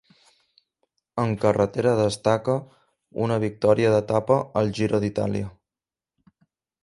En carretera destaca una victòria d'etapa al Giro d'Itàlia.